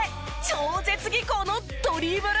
超絶技巧のドリブル！